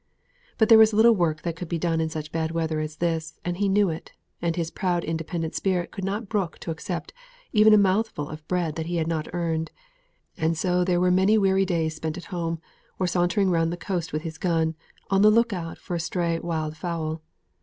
But there was little work that could be done in such bad weather as this, and he knew it, and his proud, independent spirit could not brook to accept even a mouthful of bread that he had not earned; and so there were many weary days spent at home, or sauntering round the coast with his gun, on the look out for a stray wild fowl.